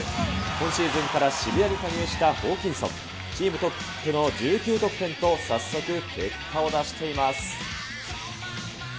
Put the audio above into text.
今シーズンから渋谷に加入したホーキンソン、チームトップの１９得点と、早速結果を出しています。